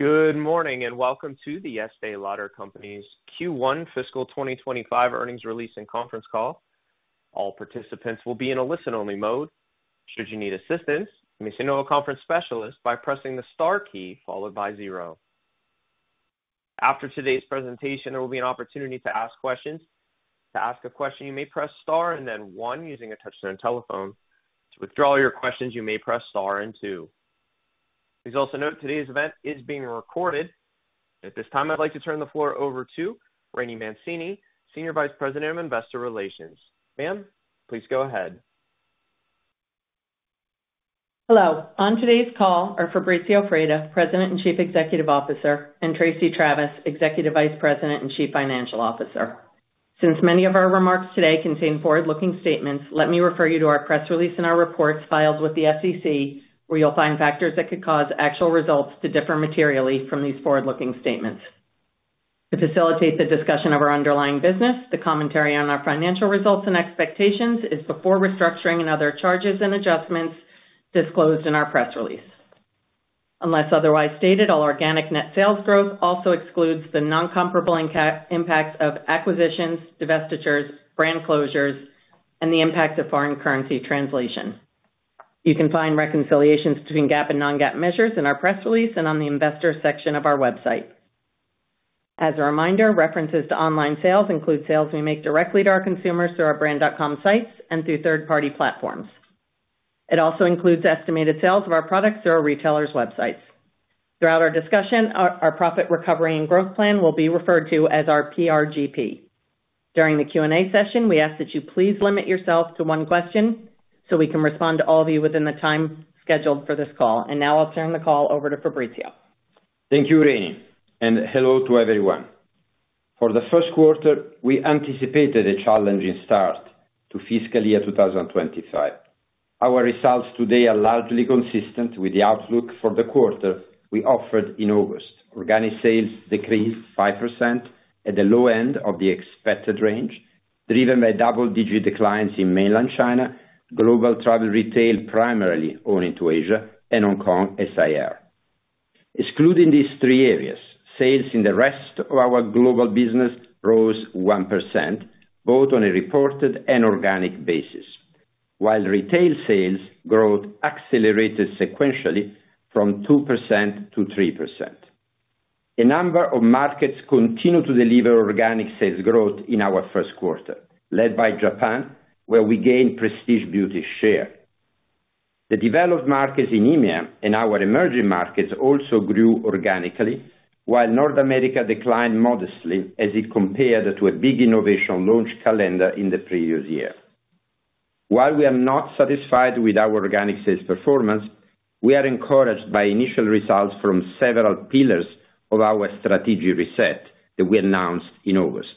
Good morning and welcome to the Estée Lauder Companies Q1 Fiscal 2025 earnings release and conference call. All participants will be in a listen-only mode. Should you need assistance, you may signal a conference specialist by pressing the star key followed by zero. After today's presentation, there will be an opportunity to ask questions. To ask a question, you may press star and then one using a touch-tone telephone. To withdraw your questions, you may press star and two. Please also note today's event is being recorded. At this time, I'd like to turn the floor over to Laraine Mancini, Senior Vice President of Investor Relations. Ma'am, please go ahead. Hello. On today's call are Fabrizio Freda, President and Chief Executive Officer, and Tracey Travis, Executive Vice President and Chief Financial Officer. Since many of our remarks today contain forward-looking statements, let me refer you to our press release and our reports filed with the SEC, where you'll find factors that could cause actual results to differ materially from these forward-looking statements. To facilitate the discussion of our underlying business, the commentary on our financial results and expectations is before restructuring and other charges and adjustments disclosed in our press release. Unless otherwise stated, all organic net sales growth also excludes the non-comparable impacts of acquisitions, divestitures, brand closures, and the impact of foreign currency translation. You can find reconciliations between GAAP and non-GAAP measures in our press release and on the investor section of our website. As a reminder, references to online sales include sales we make directly to our consumers through our brand.com sites and through third-party platforms. It also includes estimated sales of our products through our retailers' websites. Throughout our discussion, our profit recovery and growth plan will be referred to as our PRGP. During the Q&A session, we ask that you please limit yourself to one question so we can respond to all of you within the time scheduled for this call. And now I'll turn the call over to Fabrizio. Thank you, Rainey, and hello to everyone. For the first quarter, we anticipated a challenging start to fiscal year 2025. Our results today are largely consistent with the outlook for the quarter we offered in August. Organic sales decreased 5% at the low end of the expected range, driven by double-digit declines in Mainland China, global travel retail primarily owing to Asia, and Hong Kong SAR. Excluding these three areas, sales in the rest of our global business rose 1%, both on a reported and organic basis, while retail sales growth accelerated sequentially from 2%-3%. A number of markets continue to deliver organic sales growth in our first quarter, led by Japan, where we gained prestige beauty share. The developed markets in India and our emerging markets also grew organically, while North America declined modestly as it compared to a big innovation launch calendar in the previous year. While we are not satisfied with our organic sales performance, we are encouraged by initial results from several pillars of our strategy reset that we announced in August,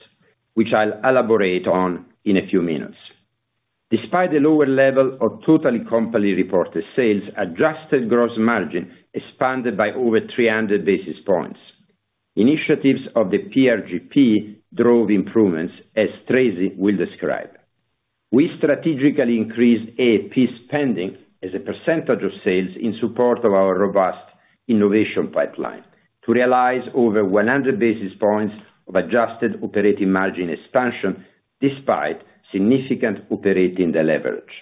which I'll elaborate on in a few minutes. Despite the lower level of totally company-reported sales, adjusted gross margin expanded by over 300 basis points. Initiatives of the PRGP drove improvements, as Tracey will describe. We strategically increased AFP spending as a percentage of sales in support of our robust innovation pipeline to realize over 100 basis points of adjusted operating margin expansion despite significant operating deleverage.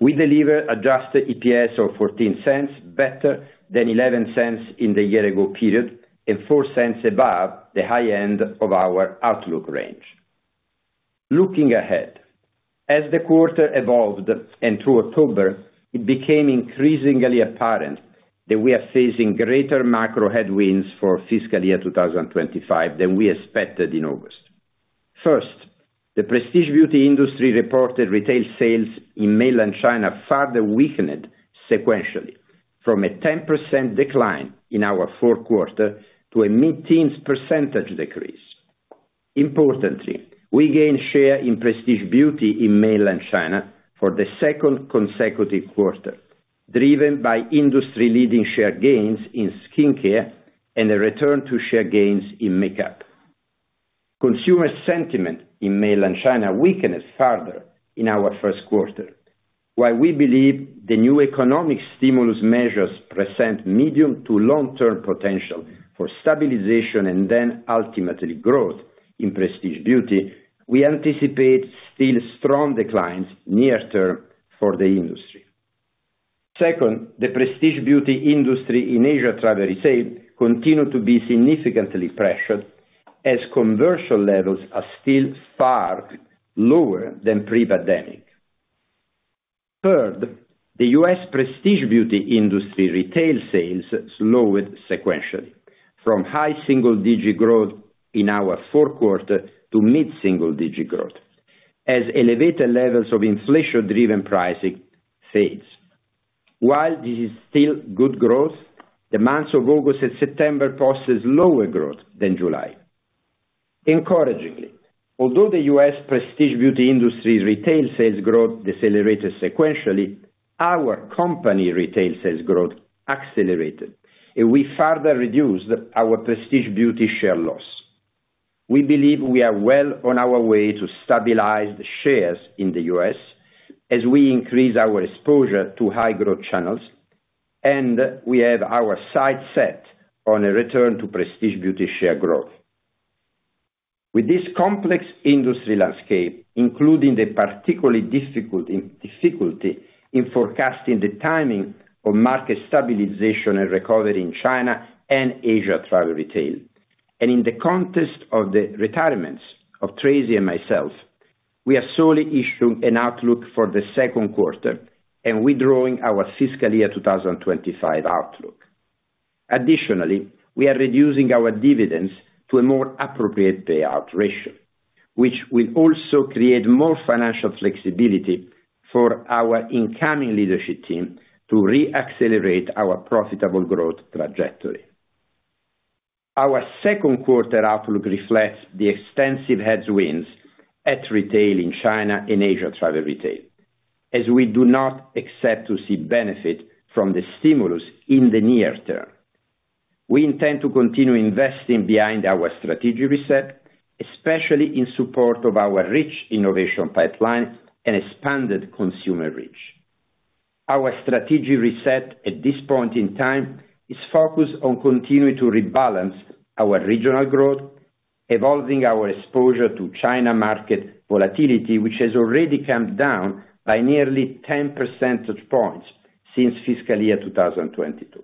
We delivered adjusted EPS of $0.14, better than $0.11 in the year-ago period and $0.04 above the high end of our outlook range. Looking ahead, as the quarter evolved and through October, it became increasingly apparent that we are facing greater macro headwinds for fiscal year 2025 than we expected in August. First, the prestige beauty industry reported retail sales in Mainland China further weakened sequentially from a 10% decline in our fourth quarter to a mid-teens percentage decrease. Importantly, we gained share in prestige beauty in Mainland China for the second consecutive quarter, driven by industry-leading share gains in Skin Care and a return to share gains in makeup. Consumer sentiment in Mainland China weakened further in our first quarter. While we believe the new economic stimulus measures present medium to long-term potential for stabilization and then ultimately growth in prestige beauty, we anticipate still strong declines near-term for the industry. Second, the prestige beauty industry in Asia travel retail continued to be significantly pressured as commercial levels are still far lower than pre-pandemic. Third, the U.S. prestige beauty industry retail sales slowed sequentially from high-single-digit growth in our fourth quarter to mid-single-digit growth as elevated levels of inflation-driven pricing fades. While this is still good growth, the months of August and September posted lower growth than July. Encouragingly, although the U.S. prestige beauty industry retail sales growth decelerated sequentially, our company retail sales growth accelerated, and we further reduced our prestige beauty share loss. We believe we are well on our way to stabilized shares in the U.S. as we increase our exposure to high-growth channels, and we have our sights set on a return to prestige beauty share growth. With this complex industry landscape, including the particular difficulty in forecasting the timing of market stabilization and recovery in China and Asia travel retail, and in the context of the retirements of Tracey and myself, we are solely issuing an outlook for the second quarter and withdrawing our fiscal year 2025 outlook. Additionally, we are reducing our dividends to a more appropriate payout ratio, which will also create more financial flexibility for our incoming leadership team to re-accelerate our profitable growth trajectory. Our second quarter outlook reflects the extensive headwinds at retail in China and Asia travel retail, as we do not expect to see benefit from the stimulus in the near term. We intend to continue investing behind our strategy reset, especially in support of our rich innovation pipeline and expanded consumer reach. Our strategy reset at this point in time is focused on continuing to rebalance our regional growth, evolving our exposure to China market volatility, which has already come down by nearly 10 percentage points since fiscal year 2022.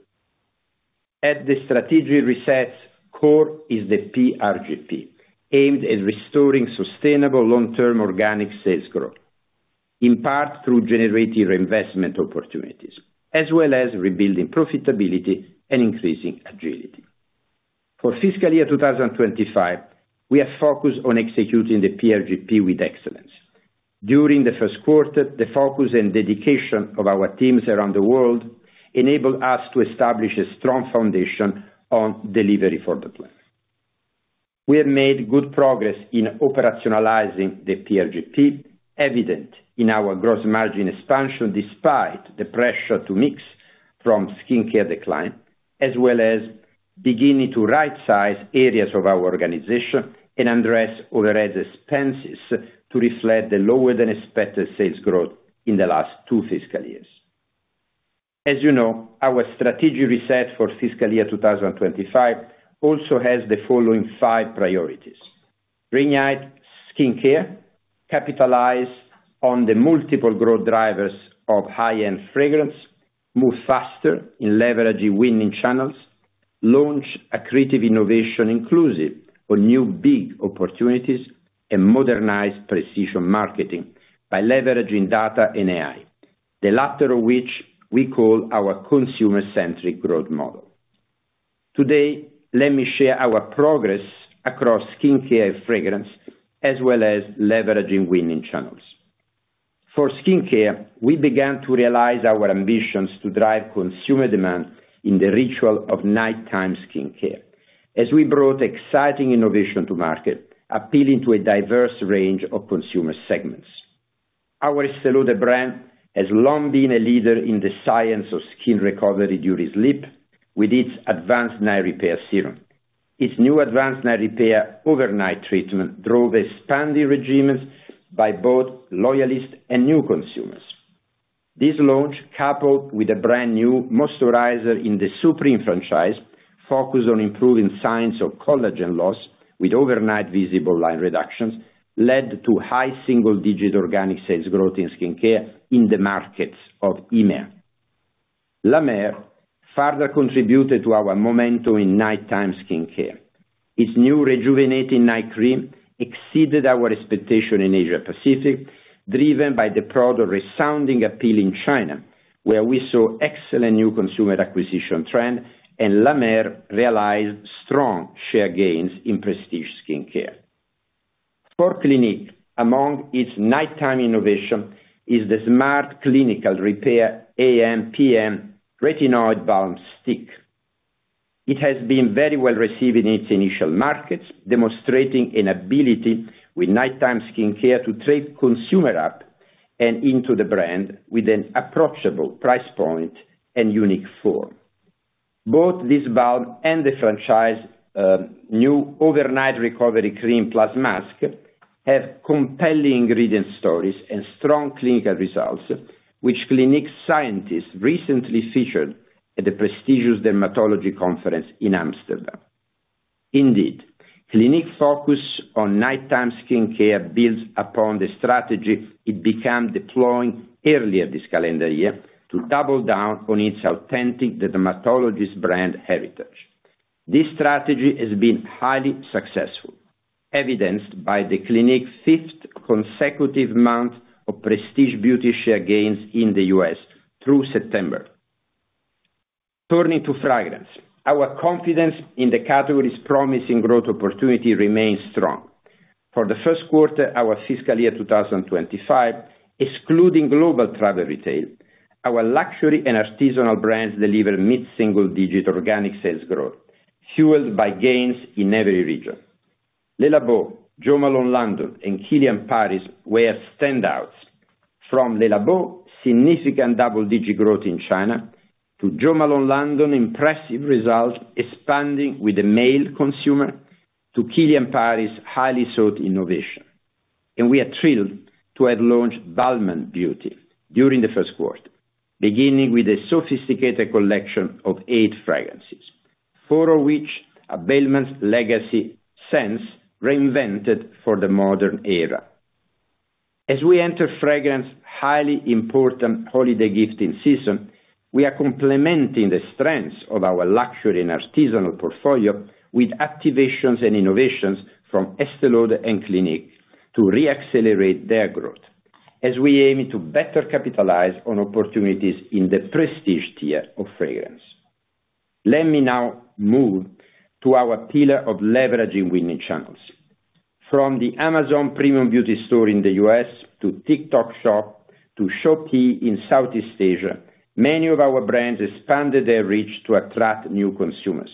At the strategy reset's core is the PRGP, aimed at restoring sustainable long-term organic sales growth, in part through generating reinvestment opportunities, as well as rebuilding profitability and increasing agility. For fiscal year 2025, we are focused on executing the PRGP with excellence. During the first quarter, the focus and dedication of our teams around the world enabled us to establish a strong foundation on delivery for the plan. We have made good progress in operationalizing the PRGP, evident in our gross margin expansion despite the pressure to mix from Skin Care decline, as well as beginning to right-size areas of our organization and address overhead expenses to reflect the lower-than-expected sales growth in the last two fiscal years. As you know, our strategy reset for fiscal year 2025 also has the following five priorities: reunite Skin Care, capitalize on the multiple growth drivers of high-end Fragrance, move faster in leveraging winning channels, launch accretive innovation inclusive of new big opportunities, and modernize precision marketing by leveraging data and AI, the latter of which we call our consumer-centric growth model. Today, let me share our progress across Skin Care and Fragrance, as well as leveraging winning channels. For Skin Care, we began to realize our ambitions to drive consumer demand in the ritual of nighttime Skin Care, as we brought exciting innovation to market, appealing to a diverse range of consumer segments. Our Estée Lauder brand has long been a leader in the science of skin recovery during sleep with its Advanced Night Repair serum. Its new Advanced Night Repair overnight treatment drove expanding regimens by both loyalists and new consumers. This launch, coupled with a brand new moisturizer in the Supreme franchise focused on improving signs of collagen loss with overnight visible line reductions, led to high-single-digit organic sales growth in Skin Care in the markets of EMEA. La Mer further contributed to our momentum in nighttime Skin Care. Its new Rejuvenating Night Cream exceeded our expectation in Asia Pacific, driven by the broader resounding appeal in China, where we saw excellent new consumer acquisition trend, and La Mer realized strong share gains in prestige Skin Care. For Clinique, among its nighttime innovation is the Smart Clinical Repair AM/PM Retinoid Balm Stick. It has been very well received in its initial markets, demonstrating an ability with nighttime Skin Care to take consumer up and into the brand with an approachable price point and unique form. Both this balm and the franchise's new Smart Clinical Repair Overnight Recovery Cream + Mask have compelling ingredient stories and strong clinical results, which Clinique's scientists recently featured at the prestigious dermatology conference in Amsterdam. Indeed, Clinique's focus on nighttime Skin Care builds upon the strategy it began deploying earlier this calendar year to double down on its authentic dermatologist brand heritage. This strategy has been highly successful, evidenced by Clinique's fifth consecutive month of prestige beauty share gains in the U.S. through September. Turning to Fragrance, our confidence in the category's promising growth opportunity remains strong. For the first quarter of our fiscal year 2025, excluding global travel retail, our luxury and artisanal brands deliver mid-single-digit organic sales growth, fueled by gains in every region. Le Labo, Jo Malone London, and KILIAN PARIS were standouts. From Le Labo, significant double-digit growth in China, to Jo Malone London, impressive results expanding with the male consumer, to KILIAN PARIS, highly sought innovation, and we are thrilled to have launched Balmain Beauty during the first quarter, beginning with a sophisticated collection of eight Fragrances, four of which are Balmain's legacy scents reinvented for the modern era. As we enter Fragrance's highly important holiday gifting season, we are complementing the strengths of our luxury and artisanal portfolio with activations and innovations from Estée Lauder and Clinique to re-accelerate their growth, as we aim to better capitalize on opportunities in the prestige tier of Fragrance. Let me now move to our pillar of leveraging winning channels. From the Amazon Premium Beauty Store in the U.S. to TikTok Shop to Shopee in Southeast Asia, many of our brands expanded their reach to attract new consumers.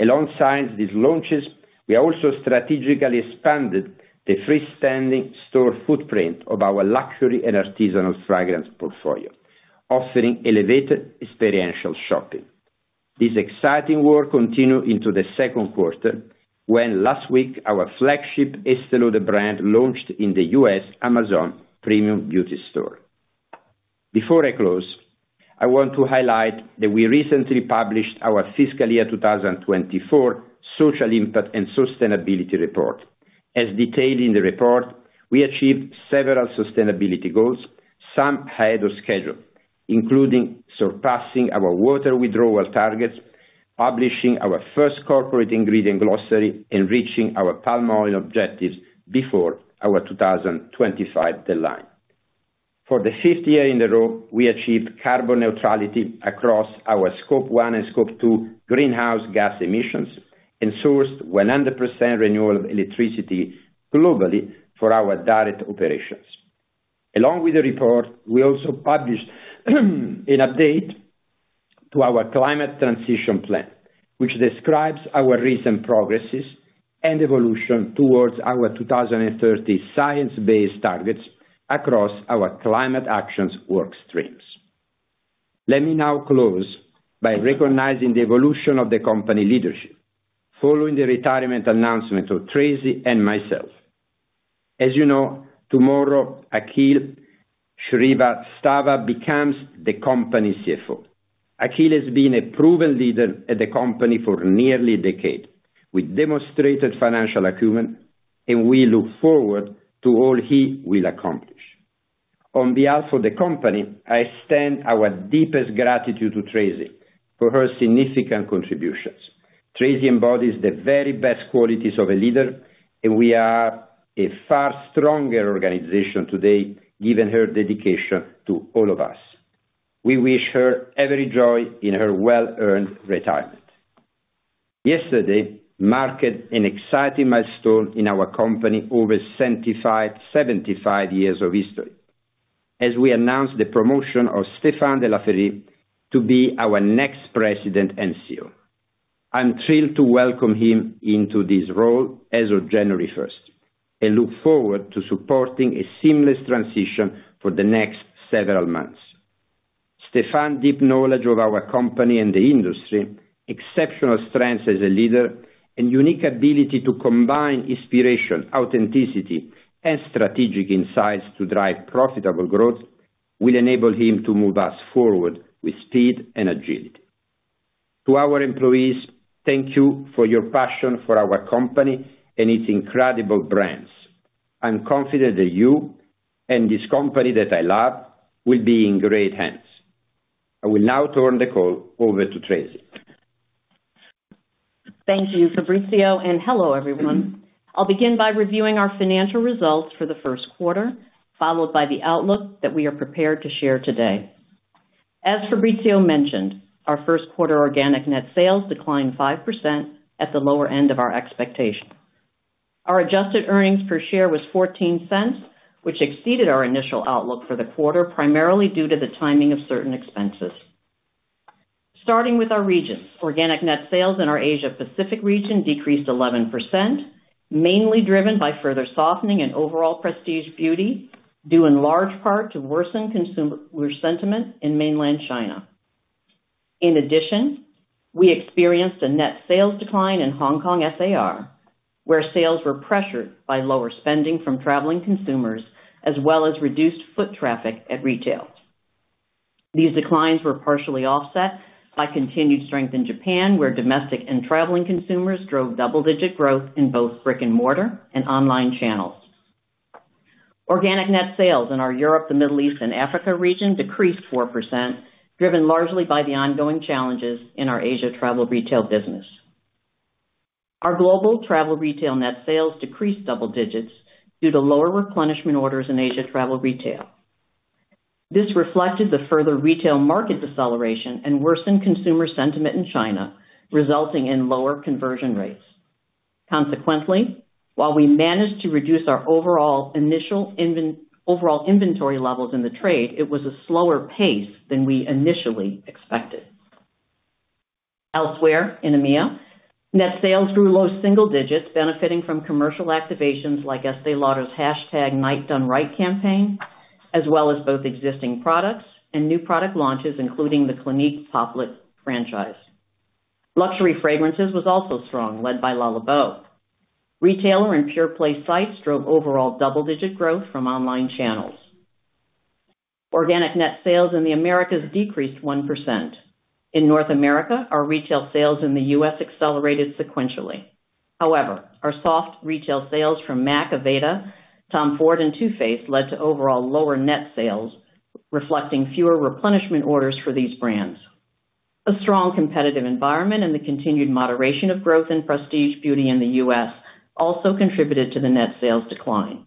Alongside these launches, we also strategically expanded the freestanding store footprint of our luxury and artisanal Fragrance portfolio, offering elevated experiential shopping. This exciting work continued into the second quarter, when last week our flagship Estée Lauder brand launched in the U.S. Amazon Premium Beauty Store. Before I close, I want to highlight that we recently published our fiscal year 2024 social impact and sustainability report. As detailed in the report, we achieved several sustainability goals, some ahead of schedule, including surpassing our water withdrawal targets, publishing our first corporate ingredient glossary, and reaching our palm oil objectives before our 2025 deadline. For the fifth year in a row, we achieved carbon neutrality across our Scope 1 and Scope 2 greenhouse gas emissions and sourced 100% renewable electricity globally for our direct operations. Along with the report, we also published an update to our climate transition plan, which describes our recent progresses and evolution towards our 2030 science-based targets across our climate actions work streams. Let me now close by recognizing the evolution of the company leadership following the retirement announcement of Tracey and myself. As you know, tomorrow, Akhil Shrivastava becomes the company CFO. Akhil has been a proven leader at the company for nearly a decade with demonstrated financial acumen, and we look forward to all he will accomplish. On behalf of the company, I extend our deepest gratitude to Tracey for her significant contributions. Tracey embodies the very best qualities of a leader, and we are a far stronger organization today given her dedication to all of us. We wish her every joy in her well-earned retirement. Yesterday marked an exciting milestone in our company over 75 years of history as we announced the promotion of Stéphane de La Faverie to be our next President and CEO. I'm thrilled to welcome him into this role as of January 1st and look forward to supporting a seamless transition for the next several months. Stéphane's deep knowledge of our company and the industry, exceptional strengths as a leader, and unique ability to combine inspiration, authenticity, and strategic insights to drive profitable growth will enable him to move us forward with speed and agility. To our employees, thank you for your passion for our company and its incredible brands. I'm confident that you and this company that I love will be in great hands. I will now turn the call over to Tracey. Thank you, Fabrizio, and hello, everyone. I'll begin by reviewing our financial results for the first quarter, followed by the outlook that we are prepared to share today. As Fabrizio mentioned, our first quarter organic net sales declined 5% at the lower end of our expectation. Our adjusted earnings per share was $0.14, which exceeded our initial outlook for the quarter, primarily due to the timing of certain expenses. Starting with our regions, organic net sales in our Asia Pacific region decreased 11%, mainly driven by further softening in overall prestige beauty due in large part to worsen consumer sentiment in Mainland China. In addition, we experienced a net sales decline in Hong Kong SAR, where sales were pressured by lower spending from traveling consumers, as well as reduced foot traffic at retail. These declines were partially offset by continued strength in Japan, where domestic and traveling consumers drove double-digit growth in both brick-and-mortar and online channels. Organic net sales in our Europe, the Middle East, and Africa region decreased 4%, driven largely by the ongoing challenges in our Asia travel retail business. Our global travel retail net sales decreased double-digits due to lower replenishment orders in Asia travel retail. This reflected the further retail market deceleration and worsened consumer sentiment in China, resulting in lower conversion rates. Consequently, while we managed to reduce our overall inventory levels in the trade, it was a slower pace than we initially expected. Elsewhere in EMEA, net sales grew low-single-digits, benefiting from commercial activations like Estée Lauder's #NightDoneRight campaign, as well as both existing products and new product launches, including the Clinique Pop franchise. Luxury Fragrances was also strong, led by Le Labo. Retailer and pure-play sites drove overall double-digit growth from online channels. Organic net sales in the Americas decreased 1%. In North America, our retail sales in the U.S. accelerated sequentially. However, our soft retail sales from M.A.C, Aveda, Tom Ford, and Too Faced led to overall lower net sales, reflecting fewer replenishment orders for these brands. A strong competitive environment and the continued moderation of growth in prestige beauty in the U.S. also contributed to the net sales decline.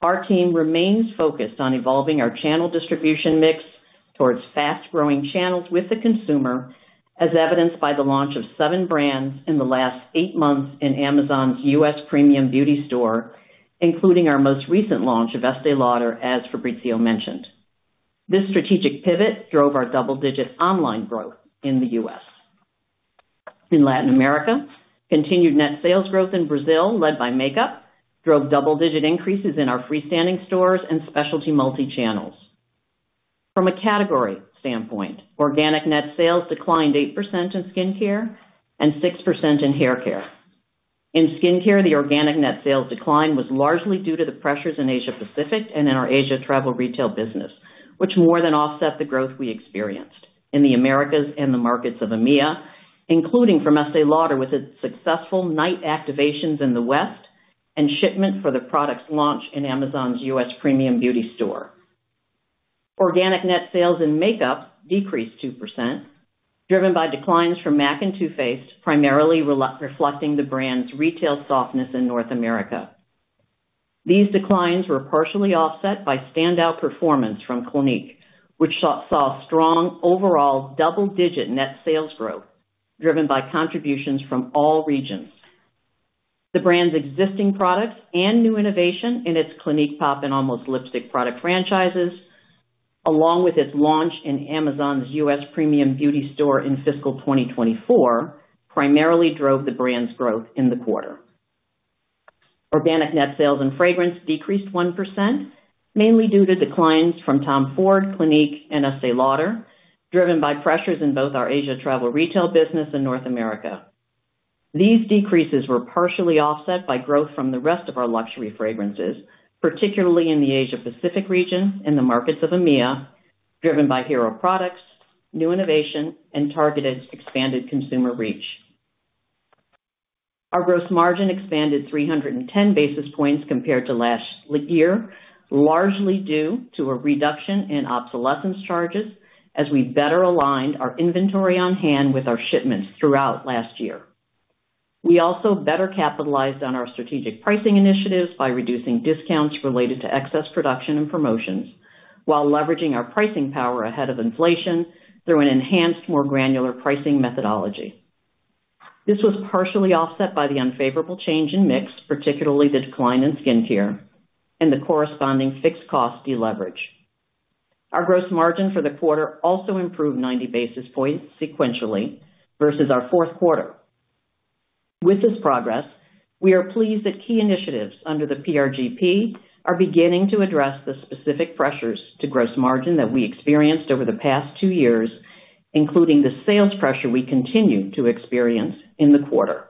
Our team remains focused on evolving our channel distribution mix towards fast-growing channels with the consumer, as evidenced by the launch of seven brands in the last eight months in Amazon's U.S. Premium Beauty Store, including our most recent launch of Estée Lauder, as Fabrizio mentioned. This strategic pivot drove our double-digit online growth in the U.S. In Latin America, continued net sales growth in Brazil, led by makeup, drove double-digit increases in our freestanding stores and specialty multi-channels. From a category standpoint, organic net sales declined 8% in Skin Care and 6% in haircare. In Skin Care, the organic net sales decline was largely due to the pressures in Asia Pacific and in our Asia travel retail business, which more than offset the growth we experienced in the Americas and the markets of EMEA, including from Estée Lauder with its successful night activations in the West and shipment for the product's launch in Amazon's U.S. Premium Beauty Store. Organic net sales in makeup decreased 2%, driven by declines from M.A.C. and Too Faced, primarily reflecting the brand's retail softness in North America. These declines were partially offset by standout performance from Clinique, which saw strong overall double-digit net sales growth, driven by contributions from all regions. The brand's existing products and new innovation in its Clinique Pop and Almost Lipstick product franchises, along with its launch in Amazon's U.S. Premium Beauty Store in fiscal 2024, primarily drove the brand's growth in the quarter. Organic net sales in Fragrance decreased 1%, mainly due to declines from Tom Ford, Clinique, and Estée Lauder, driven by pressures in both our Asia travel retail business and North America. These decreases were partially offset by growth from the rest of our luxury fragrances, particularly in the Asia Pacific region and the markets of EMEA, driven by hero products, new innovation, and targeted expanded consumer reach. Our gross margin expanded 310 basis points compared to last year, largely due to a reduction in obsolescence charges as we better aligned our inventory on hand with our shipments throughout last year. We also better capitalized on our strategic pricing initiatives by reducing discounts related to excess production and promotions, while leveraging our pricing power ahead of inflation through an enhanced, more granular pricing methodology. This was partially offset by the unfavorable change in mix, particularly the decline in Skin Care and the corresponding fixed cost deleverage. Our gross margin for the quarter also improved 90 basis points sequentially versus our fourth quarter. With this progress, we are pleased that key initiatives under the PRGP are beginning to address the specific pressures to gross margin that we experienced over the past two years, including the sales pressure we continue to experience in the quarter.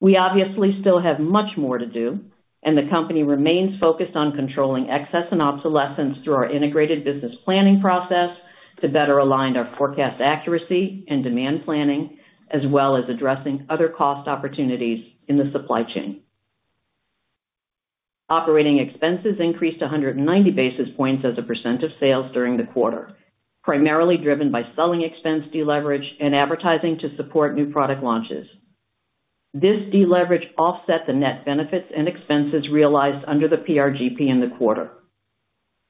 We obviously still have much more to do, and the company remains focused on controlling excess and obsolescence through our integrated business planning process to better align our forecast accuracy and demand planning, as well as addressing other cost opportunities in the supply chain. Operating expenses increased 190 basis points as a percentage of sales during the quarter, primarily driven by selling expense deleverage and advertising to support new product launches. This deleverage offset the net benefits and expenses realized under the PRGP in the quarter.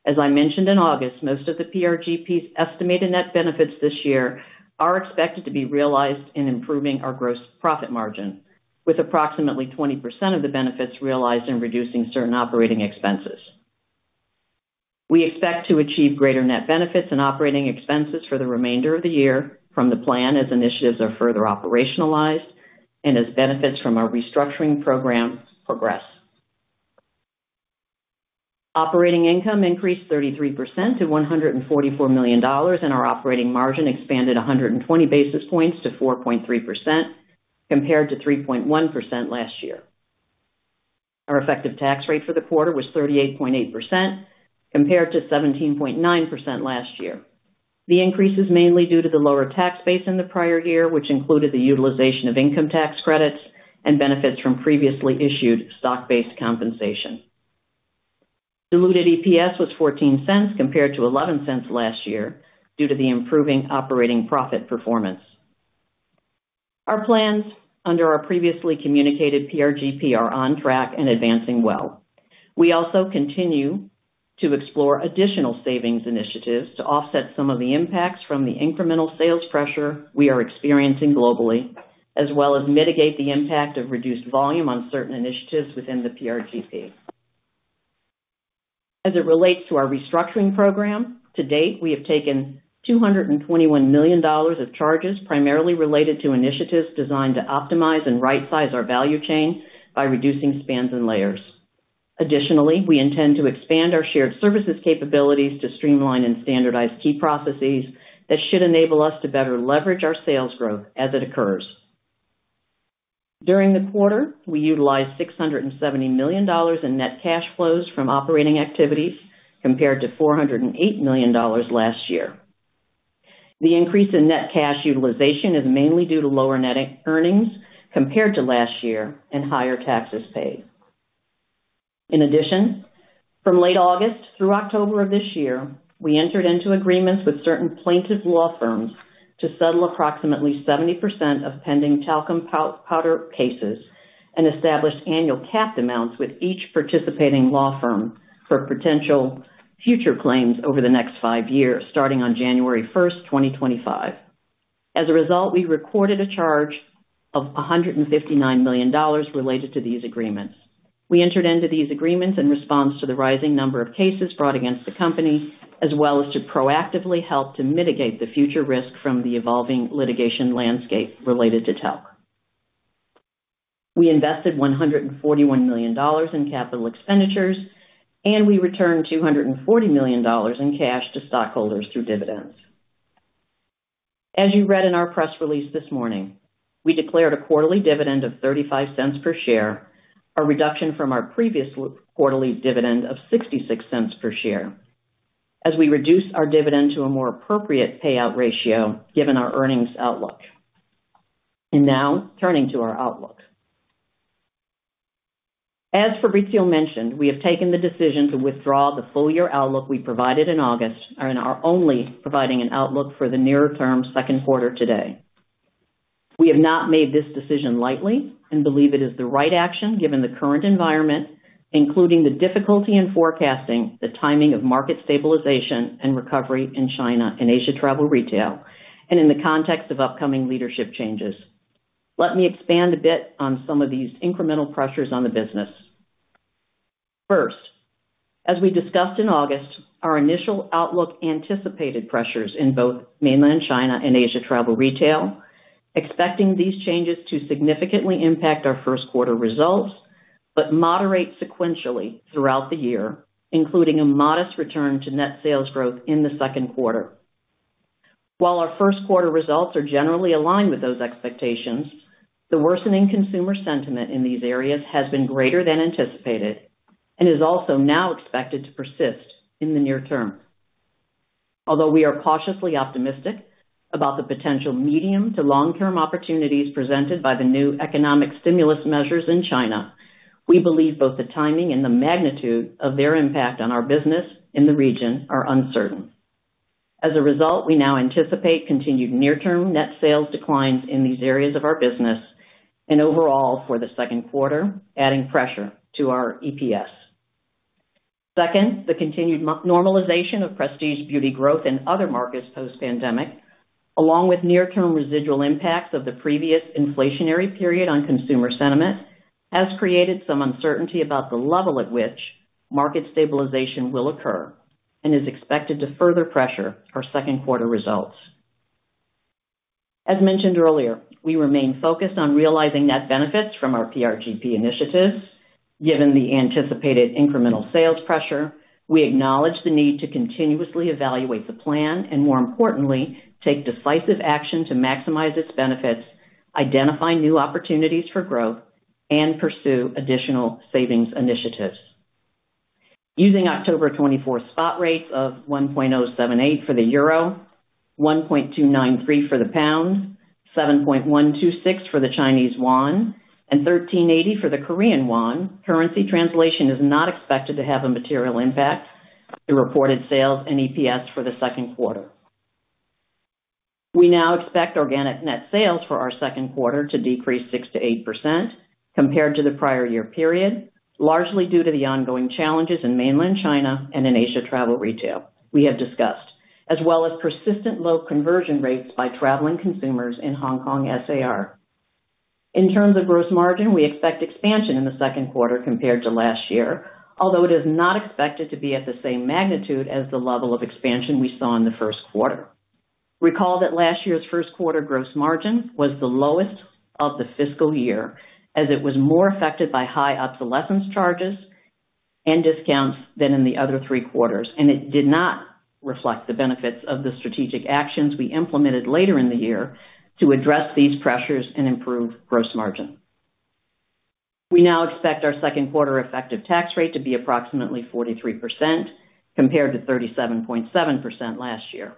As I mentioned in August, most of the PRGP's estimated net benefits this year are expected to be realized in improving our gross profit margin, with approximately 20% of the benefits realized in reducing certain operating expenses. We expect to achieve greater net benefits and operating expenses for the remainder of the year from the plan as initiatives are further operationalized and as benefits from our restructuring program progress. Operating income increased 33% to $144 million, and our operating margin expanded 120 basis points to 4.3% compared to 3.1% last year. Our effective tax rate for the quarter was 38.8% compared to 17.9% last year. The increase is mainly due to the lower tax base in the prior year, which included the utilization of income tax credits and benefits from previously issued stock-based compensation. Diluted EPS was $0.14 compared to $0.11 last year due to the improving operating profit performance. Our plans under our previously communicated PRGP are on track and advancing well. We also continue to explore additional savings initiatives to offset some of the impacts from the incremental sales pressure we are experiencing globally, as well as mitigate the impact of reduced volume on certain initiatives within the PRGP. As it relates to our restructuring program, to date, we have taken $221 million of charges primarily related to initiatives designed to optimize and right-size our value chain by reducing spans and layers. Additionally, we intend to expand our shared services capabilities to streamline and standardize key processes that should enable us to better leverage our sales growth as it occurs. During the quarter, we utilized $670 million in net cash flows from operating activities compared to $408 million last year. The increase in net cash utilization is mainly due to lower net earnings compared to last year and higher taxes paid. In addition, from late August through October of this year, we entered into agreements with certain plaintiff law firms to settle approximately 70% of pending talcum powder cases and established annual capped amounts with each participating law firm for potential future claims over the next five years, starting on January 1st, 2025. As a result, we recorded a charge of $159 million related to these agreements. We entered into these agreements in response to the rising number of cases brought against the company, as well as to proactively help to mitigate the future risk from the evolving litigation landscape related to talc. We invested $141 million in capital expenditures, and we returned $240 million in cash to stockholders through dividends. As you read in our press release this morning, we declared a quarterly dividend of $0.35 per share, a reduction from our previous quarterly dividend of $0.66 per share, as we reduced our dividend to a more appropriate payout ratio given our earnings outlook. And now, turning to our outlook. As Fabrizio mentioned, we have taken the decision to withdraw the full year outlook we provided in August and are only providing an outlook for the near-term second quarter today. We have not made this decision lightly and believe it is the right action given the current environment, including the difficulty in forecasting the timing of market stabilization and recovery in China and Asia travel retail, and in the context of upcoming leadership changes. Let me expand a bit on some of these incremental pressures on the business. First, as we discussed in August, our initial outlook anticipated pressures in both Mainland China and Asia travel retail, expecting these changes to significantly impact our first quarter results but moderate sequentially throughout the year, including a modest return to net sales growth in the second quarter. While our first quarter results are generally aligned with those expectations, the worsening consumer sentiment in these areas has been greater than anticipated and is also now expected to persist in the near term. Although we are cautiously optimistic about the potential medium- to long-term opportunities presented by the new economic stimulus measures in China, we believe both the timing and the magnitude of their impact on our business in the region are uncertain. As a result, we now anticipate continued near-term net sales declines in these areas of our business and overall for the second quarter, adding pressure to our EPS. Second, the continued normalization of prestige beauty growth in other markets post-pandemic, along with near-term residual impacts of the previous inflationary period on consumer sentiment, has created some uncertainty about the level at which market stabilization will occur and is expected to further pressure our second quarter results. As mentioned earlier, we remain focused on realizing net benefits from our PRGP initiatives. Given the anticipated incremental sales pressure, we acknowledge the need to continuously evaluate the plan and, more importantly, take decisive action to maximize its benefits, identify new opportunities for growth, and pursue additional savings initiatives. Using October 24th spot rates of 1.078 for the euro, 1.293 for the pound, 7.126 for the Chinese yuan, and 1380 for the Korean won, currency translation is not expected to have a material impact on the reported sales and EPS for the second quarter. We now expect organic net sales for our second quarter to decrease 6%-8% compared to the prior year period, largely due to the ongoing challenges in Mainland China and in Asia travel retail we have discussed, as well as persistent low conversion rates by traveling consumers in Hong Kong SAR. In terms of gross margin, we expect expansion in the second quarter compared to last year, although it is not expected to be at the same magnitude as the level of expansion we saw in the first quarter. Recall that last year's first quarter gross margin was the lowest of the fiscal year, as it was more affected by high obsolescence charges and discounts than in the other three quarters, and it did not reflect the benefits of the strategic actions we implemented later in the year to address these pressures and improve gross margin. We now expect our second quarter effective tax rate to be approximately 43% compared to 37.7% last year.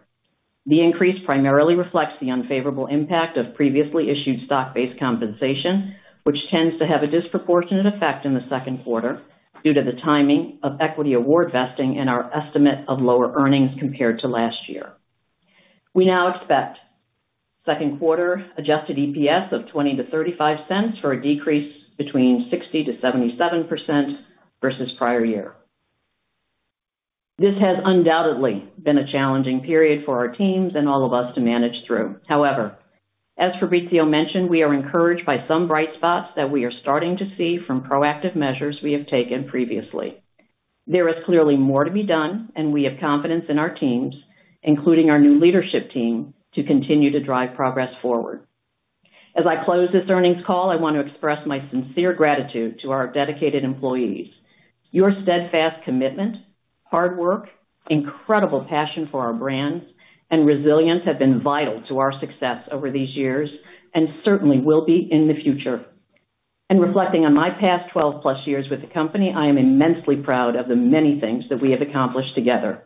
The increase primarily reflects the unfavorable impact of previously issued stock-based compensation, which tends to have a disproportionate effect in the second quarter due to the timing of equity award vesting and our estimate of lower earnings compared to last year. We now expect second quarter adjusted EPS of $0.20-$0.35 for a decrease between 60%-77% versus prior year. This has undoubtedly been a challenging period for our teams and all of us to manage through. However, as Fabrizio mentioned, we are encouraged by some bright spots that we are starting to see from proactive measures we have taken previously. There is clearly more to be done, and we have confidence in our teams, including our new leadership team, to continue to drive progress forward. As I close this earnings call, I want to express my sincere gratitude to our dedicated employees. Your steadfast commitment, hard work, incredible passion for our brands, and resilience have been vital to our success over these years and certainly will be in the future. Reflecting on my past 12+ years with the company, I am immensely proud of the many things that we have accomplished together.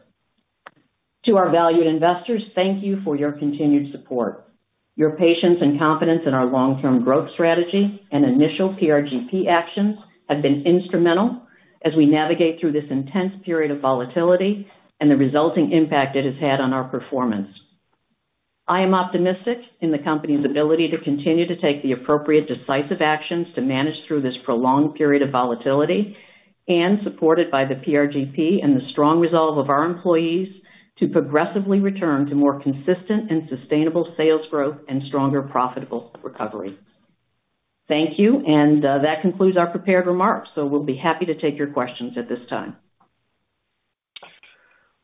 To our valued investors, thank you for your continued support. Your patience and confidence in our long-term growth strategy and initial PRGP actions have been instrumental as we navigate through this intense period of volatility and the resulting impact it has had on our performance. I am optimistic in the company's ability to continue to take the appropriate decisive actions to manage through this prolonged period of volatility, and supported by the PRGP and the strong resolve of our employees to progressively return to more consistent and sustainable sales growth and stronger profitable recovery. Thank you, and that concludes our prepared remarks, so we'll be happy to take your questions at this time.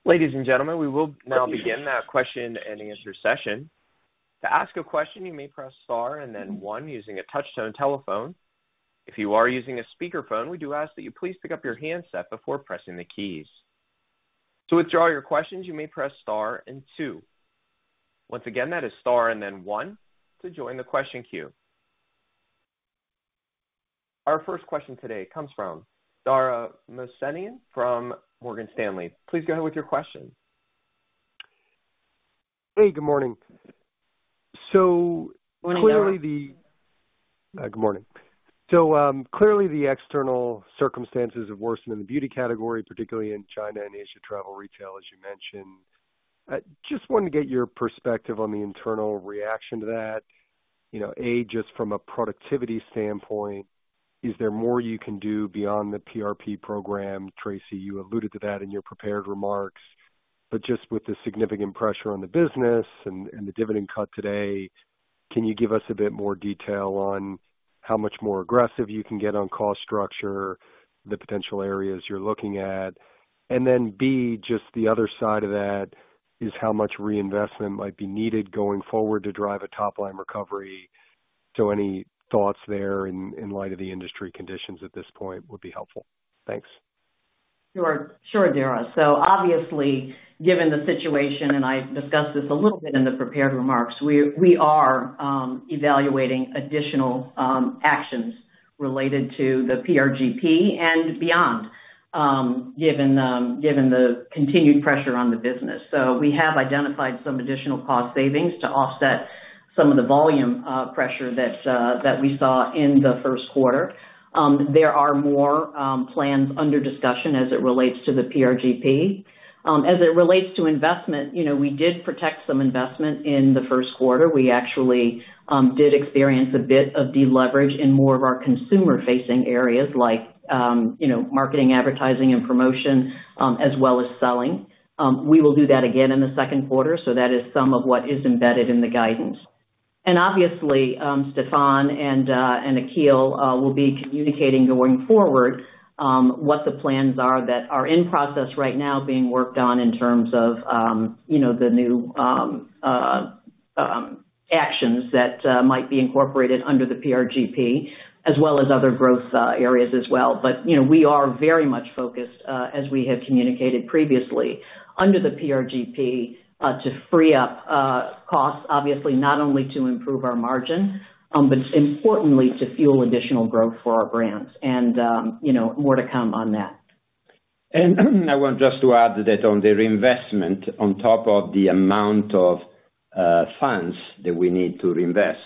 Ladies and gentlemen, we will now begin the question and answer session. To ask a question, you may press star and then one using a touch-tone telephone. If you are using a speakerphone, we do ask that you please pick up your handset before pressing the keys. To withdraw your questions, you may press star and two. Once again, that is star and then one to join the question queue. Our first question today comes from Dara Mohsenian from Morgan Stanley. Please go ahead with your question. Hey, good morning. So clearly the external circumstances have worsened in the beauty category, particularly in China and Asia travel retail, as you mentioned. Just wanted to get your perspective on the internal reaction to that. A, just from a productivity standpoint, is there more you can do beyond the PRP program? Tracey, you alluded to that in your prepared remarks. But just with the significant pressure on the business and the dividend cut today, can you give us a bit more detail on how much more aggressive you can get on cost structure, the potential areas you're looking at? And then B, just the other side of that is how much reinvestment might be needed going forward to drive a top-line recovery. So any thoughts there in light of the industry conditions at this point would be helpful. Thanks. Sure, Dara. So obviously, given the situation, and I discussed this a little bit in the prepared remarks, we are evaluating additional actions related to the PRGP and beyond, given the continued pressure on the business. So we have identified some additional cost savings to offset some of the volume pressure that we saw in the first quarter. There are more plans under discussion as it relates to the PRGP. As it relates to investment, we did protect some investment in the first quarter. We actually did experience a bit of deleverage in more of our consumer-facing areas like marketing, advertising, and promotion, as well as selling. We will do that again in the second quarter. So that is some of what is embedded in the guidance. And obviously, Stéphane and Akhil will be communicating going forward what the plans are that are in process right now being worked on in terms of the new actions that might be incorporated under the PRGP, as well as other growth areas as well. But we are very much focused, as we have communicated previously, under the PRGP to free up costs, obviously, not only to improve our margin, but importantly, to fuel additional growth for our brands. And more to come on that. And I want just to add that on the reinvestment, on top of the amount of funds that we need to reinvest,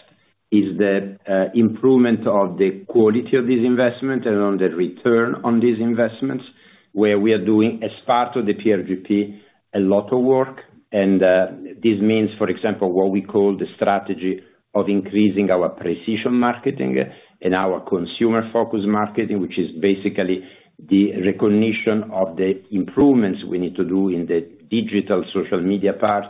is the improvement of the quality of these investments and on the return on these investments, where we are doing, as part of the PRGP, a lot of work. This means, for example, what we call the strategy of increasing our precision marketing and our consumer-focused marketing, which is basically the recognition of the improvements we need to do in the digital social media part,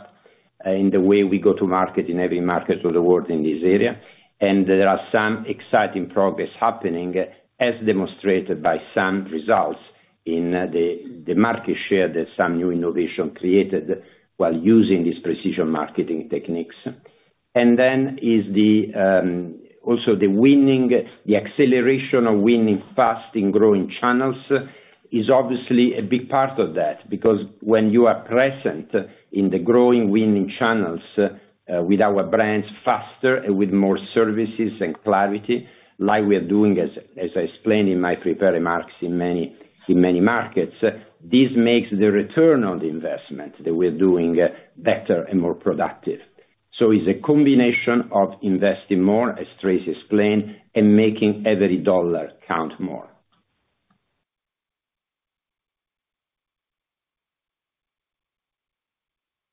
in the way we go to market in every market of the world in this area. There are some exciting progress happening, as demonstrated by some results in the market share that some new innovation created while using these precision marketing techniques. Then there is also the acceleration of winning fast in growing channels, which is obviously a big part of that because when you are present in the growing winning channels with our brands faster and with more services and clarity, like we are doing, as I explained in my prepared remarks in many markets, this makes the return on the investment that we're doing better and more productive. So it's a combination of investing more, as Tracey explained, and making every dollar count more.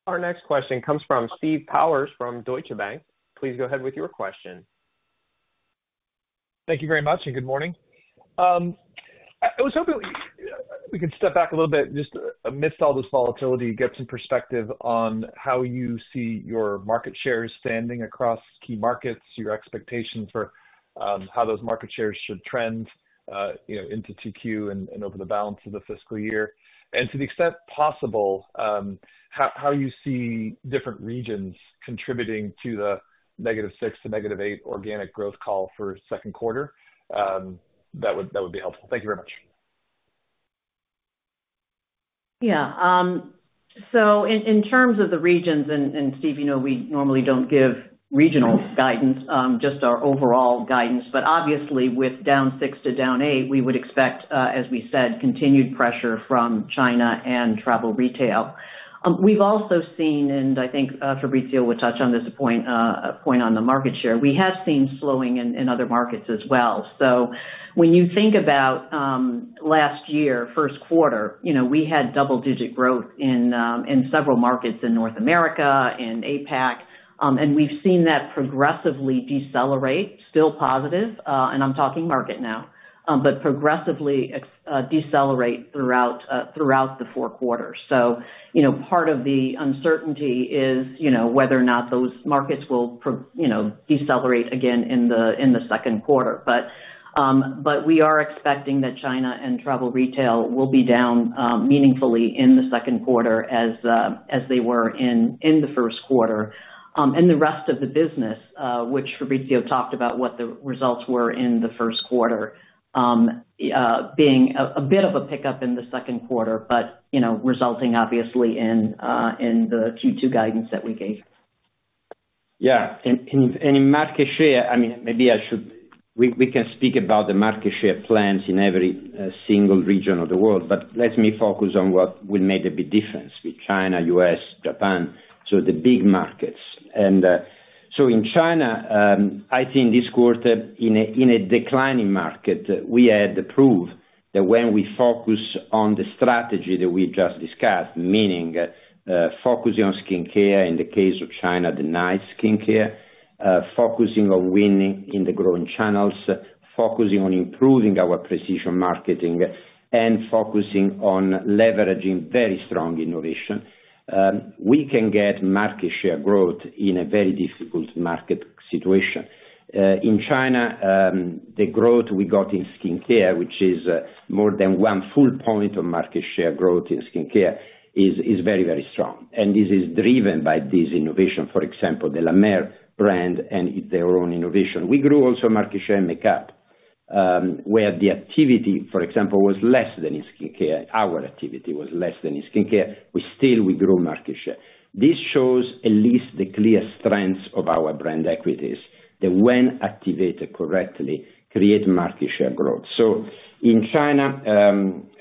Our next question comes from Steve Powers from Deutsche Bank. Please go ahead with your question. Thank you very much and good morning. I was hoping we could step back a little bit just amidst all this volatility, get some perspective on how you see your market shares standing across key markets, your expectations for how those market shares should trend into 2Q and over the balance of the fiscal year, and to the extent possible, how you see different regions contributing to the -6% to -8% organic growth call for second quarter, that would be helpful. Thank you very much. Yeah. So in terms of the regions, and Steve, we normally don't give regional guidance, just our overall guidance. But obviously, with down 6% to down 8%, we would expect, as we said, continued pressure from China and travel retail. We've also seen, and I think Fabrizio will touch on this point on the market share, we have seen slowing in other markets as well. So when you think about last year, first quarter, we had double-digit growth in several markets in North America and APAC, and we've seen that progressively decelerate, still positive, and I'm talking market now, but progressively decelerate throughout the four quarters. So part of the uncertainty is whether or not those markets will decelerate again in the second quarter. But we are expecting that China and travel retail will be down meaningfully in the second quarter as they were in the first quarter. And the rest of the business, which Fabrizio talked about, what the results were in the first quarter, being a bit of a pickup in the second quarter, but resulting obviously in the Q2 guidance that we gave. Yeah. And in market share, I mean, maybe I should we can speak about the market share plans in every single region of the world, but let me focus on what will make a big difference with China, U.S., Japan, so the big markets. And so in China, I think this quarter, in a declining market, we had the proof that when we focus on the strategy that we just discussed, meaning focusing on Skin Care in the case of China, the night Skin Care, focusing on winning in the growing channels, focusing on improving our precision marketing, and focusing on leveraging very strong innovation, we can get market share growth in a very difficult market situation. In China, the growth we got in Skin Care, which is more than one full point of market share growth in Skin Care, is very, very strong. And this is driven by this innovation, for example, the La Mer brand and their own innovation. We grew also market share in makeup, where the activity, for example, was less than in Skin Care. Our activity was less than in Skin Care. We still grew market share. This shows at least the clear strengths of our brand equities that when activated correctly, create market share growth. So in China,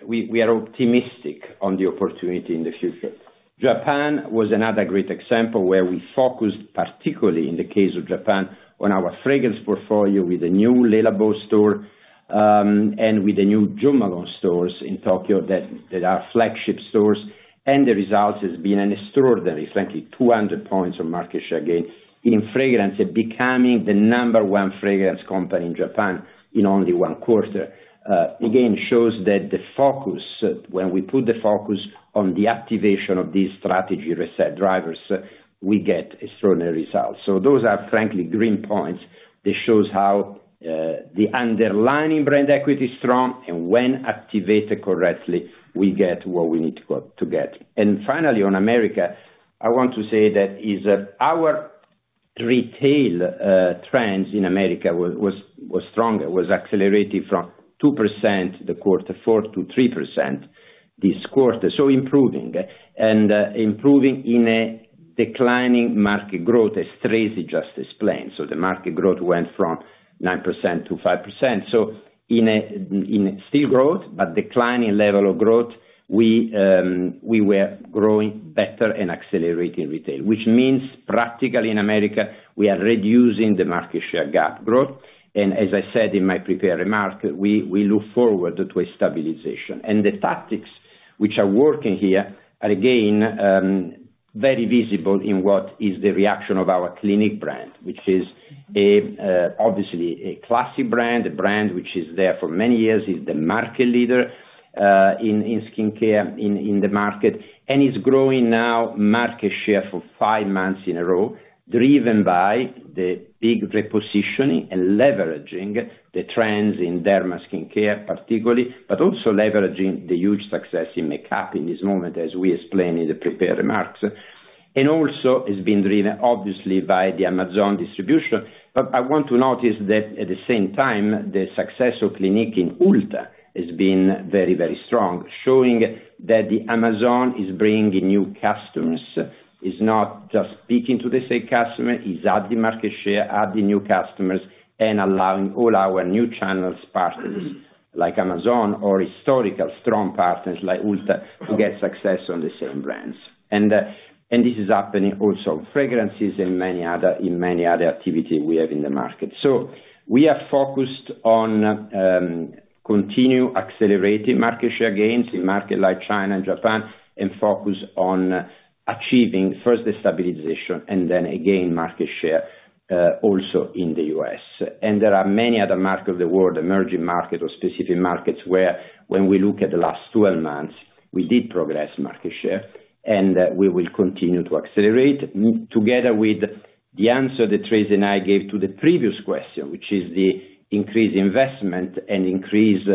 we are optimistic on the opportunity in the future. Japan was another great example where we focused, particularly in the case of Japan, on our Fragrance portfolio with a new Le Labo store and with the new Jo Malone stores in Tokyo that are flagship stores. And the result has been an extraordinary, frankly, 200 points of market share gain in Fragrance, becoming the number one Fragrance company in Japan in only one quarter. Again, it shows that the focus, when we put the focus on the activation of these strategy reset drivers, we get extraordinary results. So those are, frankly, green points. This shows how the underlying brand equity is strong, and when activated correctly, we get what we need to get. And finally, on the Americas, I want to say that our retail trends in the Americas were stronger, was accelerated from 2% the quarter four to 3% this quarter. So improving in a declining market growth, as Tracey just explained. So the market growth went from 9%-5%. So in still growth, but declining level of growth, we were growing better and accelerating retail, which means practically in the Americas, we are reducing the market share gap growth. And as I said in my prepared remark, we look forward to a stabilization. The tactics which are working here are again very visible in what is the reaction of our Clinique brand, which is obviously a classy brand, a brand which is there for many years, is the market leader in Skin Care in the market, and is growing now market share for five months in a row, driven by the big repositioning and leveraging the trends in derma Skin Care particularly, but also leveraging the huge success in makeup in this moment, as we explained in the prepared remarks, and also has been driven, obviously, by the Amazon distribution. But I want to notice that at the same time, the success of Clinique in Ulta has been very, very strong, showing that Amazon is bringing new customers, is not just speaking to the same customer, is adding market share, adding new customers, and allowing all our new channel partners, like Amazon or historically strong partners like Ulta, to get success on the same brands, and this is happening also on Fragrances and many other activities we have in the market, so we are focused on continuing accelerating market share gains in markets like China and Japan and focus on achieving first the stabilization and then again market share also in the U.S. And there are many other markets of the world, emerging markets or specific markets where, when we look at the last 12 months, we did progress market share, and we will continue to accelerate together with the answer that Tracy and I gave to the previous question, which is the increased investment and increased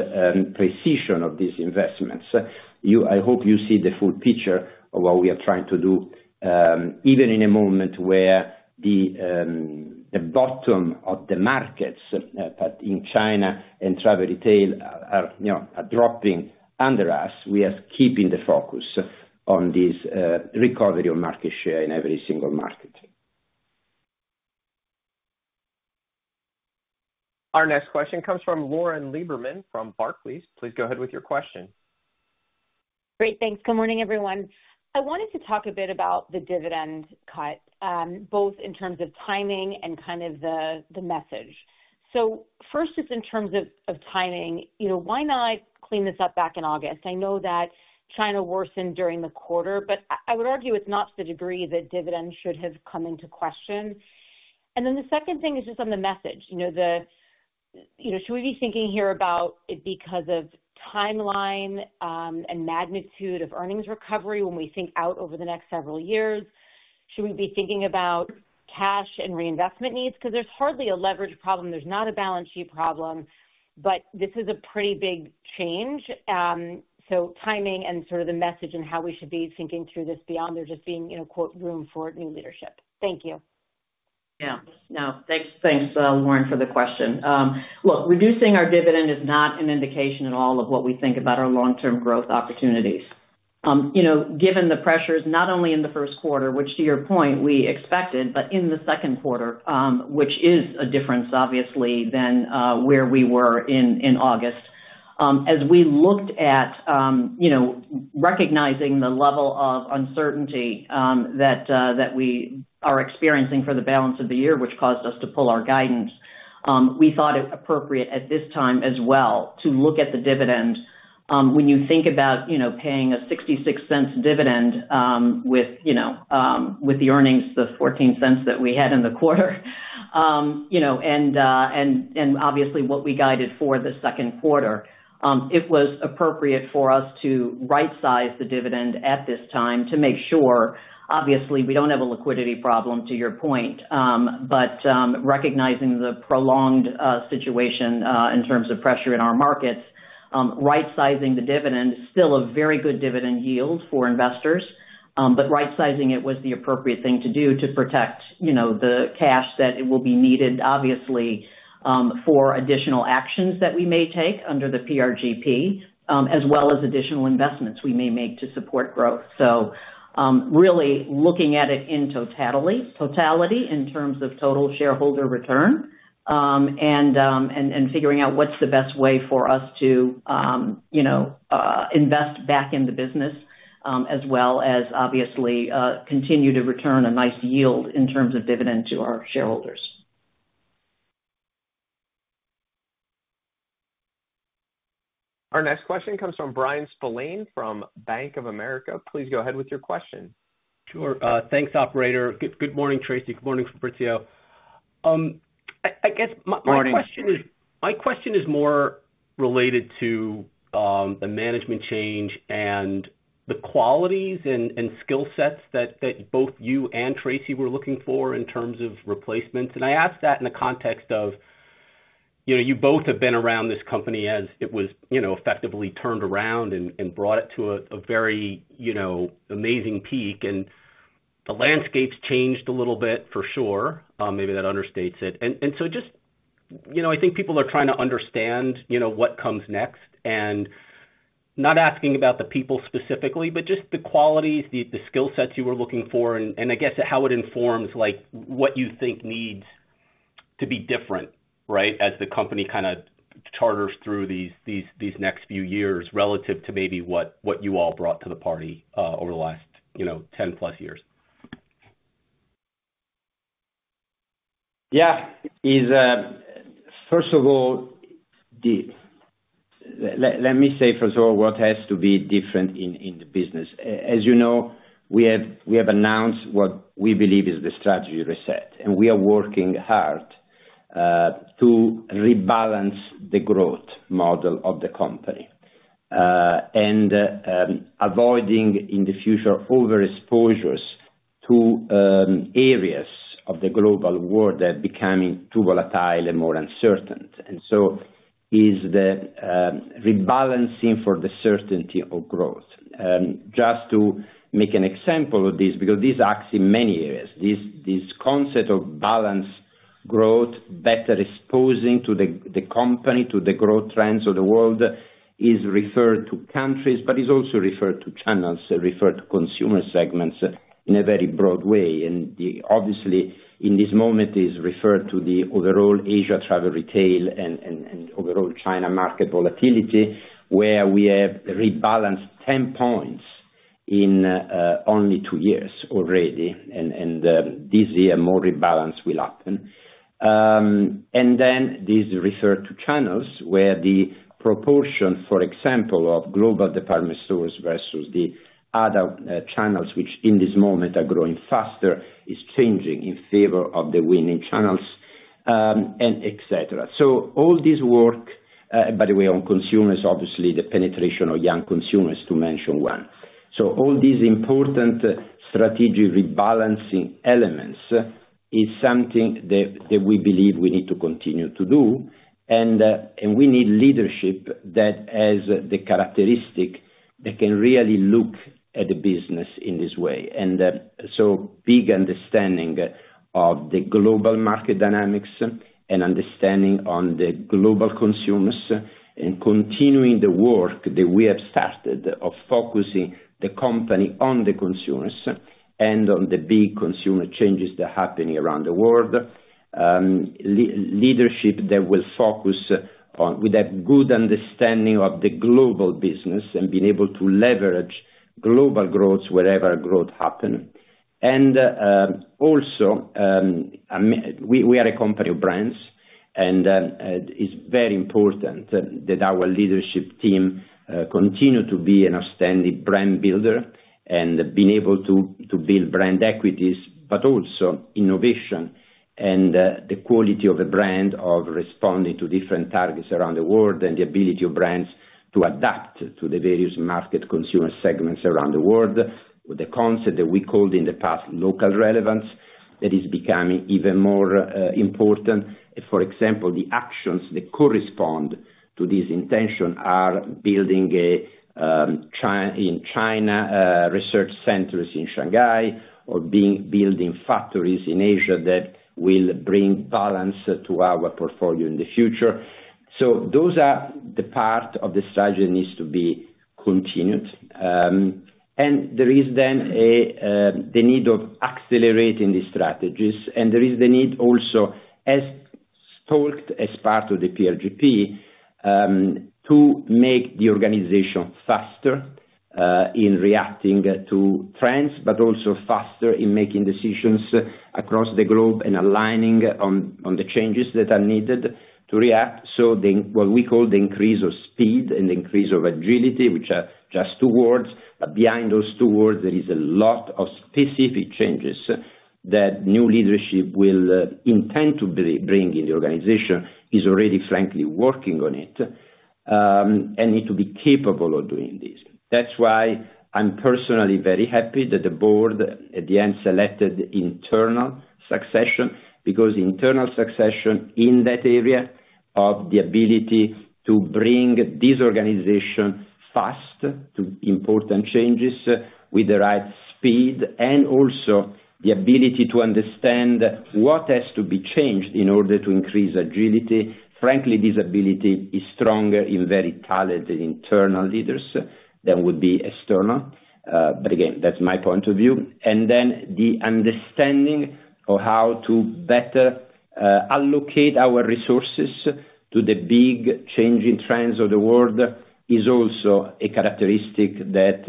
precision of these investments. I hope you see the full picture of what we are trying to do, even in a moment where the bottom of the markets, but in China and travel retail, are dropping under us. We are keeping the focus on this recovery of market share in every single market. Our next question comes from Lauren Lieberman from Barclays. Please go ahead with your question. Great. Thanks. Good morning, everyone. I wanted to talk a bit about the dividend cut, both in terms of timing and kind of the message. So first, just in terms of timing, why not clean this up back in August? I know that China worsened during the quarter, but I would argue it's not to the degree that dividends should have come into question. And then the second thing is just on the message. Should we be thinking here about it because of timeline and magnitude of earnings recovery when we think out over the next several years? Should we be thinking about cash and reinvestment needs? Because there's hardly a leverage problem. There's not a balance sheet problem, but this is a pretty big change. So timing and sort of the message and how we should be thinking through this beyond there just being "room for new leadership." Thank you. Yeah. No. Thanks, Lauren, for the question. Look, reducing our dividend is not an indication at all of what we think about our long-term growth opportunities. Given the pressures, not only in the first quarter, which to your point, we expected, but in the second quarter, which is a difference, obviously, than where we were in August. As we looked at recognizing the level of uncertainty that we are experiencing for the balance of the year, which caused us to pull our guidance, we thought it appropriate at this time as well to look at the dividend. When you think about paying a $0.66 dividend with the earnings, the $0.14 that we had in the quarter, and obviously what we guided for the second quarter, it was appropriate for us to right-size the dividend at this time to make sure, obviously, we don't have a liquidity problem, to your point, but recognizing the prolonged situation in terms of pressure in our markets, rightsizing the dividend is still a very good dividend yield for investors, but rightsizing it was the appropriate thing to do to protect the cash that will be needed, obviously, for additional actions that we may take under the PRGP, as well as additional investments we may make to support growth. So really looking at it in totality in terms of total shareholder return and figuring out what's the best way for us to invest back in the business, as well as obviously continue to return a nice yield in terms of dividend to our shareholders. Our next question comes from Bryan Spillane from Bank of America. Please go ahead with your question. Sure. Thanks, operator. Good morning, Tracey. Good morning, Fabrizio. I guess my question is more related to the management change and the qualities and skill sets that both you and Tracey were looking for in terms of replacements. And I asked that in the context of you both have been around this company as it was effectively turned around and brought it to a very amazing peak. And the landscape's changed a little bit, for sure. Maybe that understates it. And so just I think people are trying to understand what comes next. And not asking about the people specifically, but just the qualities, the skill sets you were looking for, and I guess how it informs what you think needs to be different, right, as the company kind of charters through these next few years relative to maybe what you all brought to the party over the last 10+ years. Yeah. First of all, let me say what has to be different in the business. As you know, we have announced what we believe is the strategy reset. And we are working hard to rebalance the growth model of the company and avoiding in the future overexposures to areas of the global world that are becoming too volatile and more uncertain. And so is the rebalancing for the certainty of growth. Just to make an example of this, because this acts in many areas, this concept of balanced growth, better exposing to the company, to the growth trends of the world, is referred to countries, but is also referred to channels, referred to consumer segments in a very broad way. And obviously, in this moment, it is referred to the overall Asia travel retail and overall China market volatility, where we have rebalanced 10 points in only two years already. And this year, more rebalance will happen. And then this is referred to channels where the proportion, for example, of global department stores versus the other channels, which in this moment are growing faster, is changing in favor of the winning channels, etc. So all this work, by the way, on consumers, obviously, the penetration of young consumers, to mention one. So, all these important strategic rebalancing elements is something that we believe we need to continue to do. And we need leadership that has the characteristic that can really look at the business in this way. And so big understanding of the global market dynamics and understanding on the global consumers and continuing the work that we have started of focusing the company on the consumers and on the big consumer changes that are happening around the world. Leadership that will focus on with a good understanding of the global business and being able to leverage global growth wherever growth happens. Also, we are a company of brands, and it's very important that our leadership team continue to be an outstanding brand builder and being able to build brand equities, but also innovation and the quality of a brand of responding to different targets around the world and the ability of brands to adapt to the various market consumer segments around the world with the concept that we called in the past local relevance that is becoming even more important. For example, the actions that correspond to this intention are building in China research centers in Shanghai or building factories in Asia that will bring balance to our portfolio in the future. Those are the part of the strategy that needs to be continued. There is then the need of accelerating these strategies. And there is the need also, as talked as part of the PRGP, to make the organization faster in reacting to trends, but also faster in making decisions across the globe and aligning on the changes that are needed to react to what we call the increase of speed and the increase of agility, which are just two words. But behind those two words, there is a lot of specific changes that new leadership will intend to bring in the organization is already frankly working on it and need to be capable of doing this. That's why I'm personally very happy that the board at the end selected internal succession because internal succession in that area of the ability to bring this organization fast to important changes with the right speed and also the ability to understand what has to be changed in order to increase agility. Frankly, this ability is stronger in very talented internal leaders than would be external, but again, that's my point of view, and then the understanding of how to better allocate our resources to the big changing trends of the world is also a characteristic that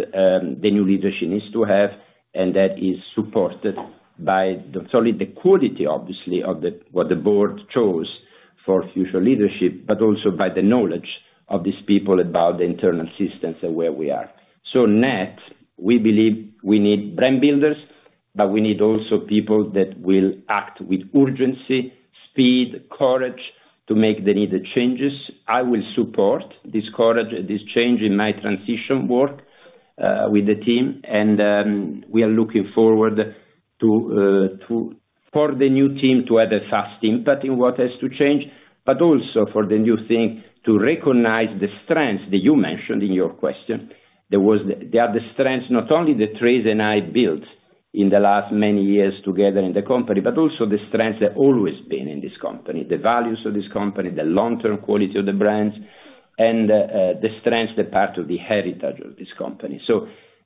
the new leadership needs to have and that is supported by not only the quality, obviously, of what the board chose for future leadership, but also by the knowledge of these people about the internal systems and where we are, so net, we believe we need brand builders, but we need also people that will act with urgency, speed, courage to make the needed changes. I will support this courage and this change in my transition work with the team. We are looking forward to for the new team to have a fast impact in what has to change, but also for the new thing to recognize the strengths that you mentioned in your question. There are the strengths not only that Tracy and I built in the last many years together in the company, but also the strengths that have always been in this company, the values of this company, the long-term quality of the brands, and the strengths that are part of the heritage of this company.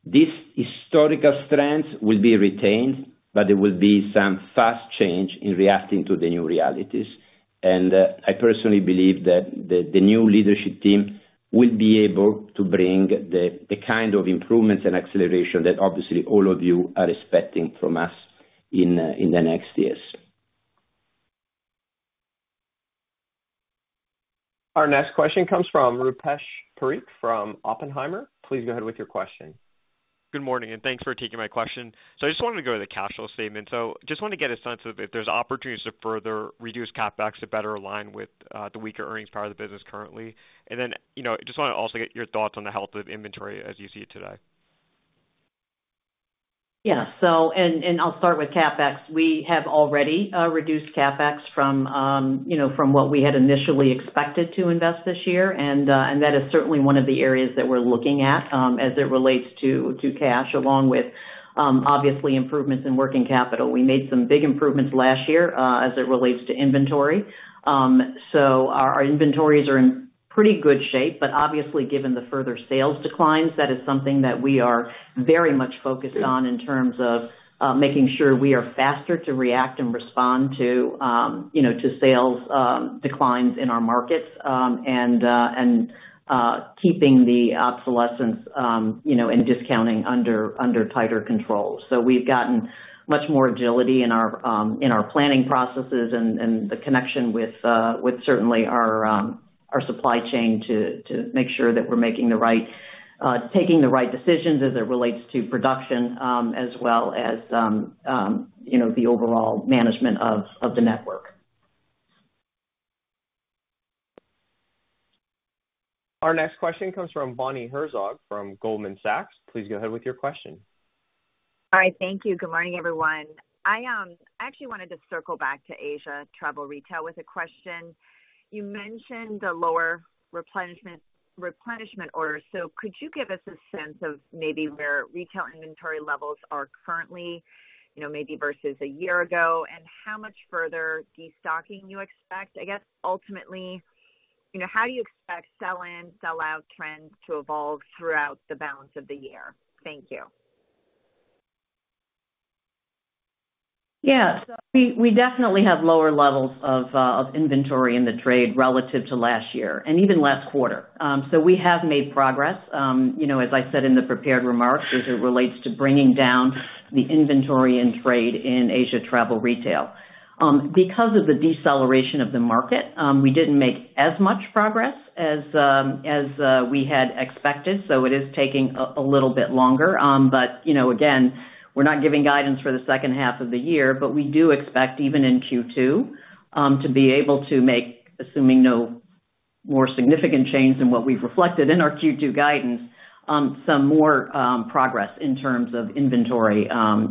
These historical strengths will be retained, but there will be some fast change in reacting to the new realities. I personally believe that the new leadership team will be able to bring the kind of improvements and acceleration that obviously all of you are expecting from us in the next years. Our next question comes from Rupesh Parikh from Oppenheimer. Please go ahead with your question. Good morning, and thanks for taking my question. So I just wanted to go to the cash flow statement. So I just wanted to get a sense of if there's opportunities to further reduce CapEx to better align with the weaker earnings power of the business currently. And then I just want to also get your thoughts on the health of inventory as you see it today. Yeah. And I'll start with CapEx. We have already reduced CapEx from what we had initially expected to invest this year. And that is certainly one of the areas that we're looking at as it relates to cash, along with obviously improvements in working capital. We made some big improvements last year as it relates to inventory. So our inventories are in pretty good shape. But obviously, given the further sales declines, that is something that we are very much focused on in terms of making sure we are faster to react and respond to sales declines in our markets and keeping the obsolescence and discounting under tighter control. So we've gotten much more agility in our planning processes and the connection with certainly our supply chain to make sure that we're making the right decisions as it relates to production as well as the overall management of the network. Our next question comes from Bonnie Herzog from Goldman Sachs. Please go ahead with your question. Hi. Thank you. Good morning, everyone. I actually wanted to circle back to Asia travel retail with a question. You mentioned the lower replenishment orders. So could you give us a sense of maybe where retail inventory levels are currently, maybe versus a year ago, and how much further destocking you expect? I guess ultimately, how do you expect sell-in, sell-out trends to evolve throughout the balance of the year? Thank you. Yeah. So we definitely have lower levels of inventory in the trade relative to last year and even last quarter. So we have made progress, as I said in the prepared remarks, as it relates to bringing down the inventory in trade in Asia travel retail. Because of the deceleration of the market, we didn't make as much progress as we had expected. So it is taking a little bit longer. But again, we're not giving guidance for the second half of the year, but we do expect even in Q2 to be able to make, assuming no more significant change than what we've reflected in our Q2 guidance, some more progress in terms of inventory